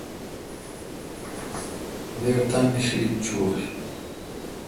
دیر تانی شیتھ چویں۔